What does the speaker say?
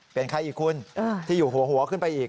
เป็นใครอีกคุณที่อยู่หัวขึ้นไปอีก